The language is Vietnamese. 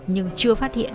nhưng chưa phát hiện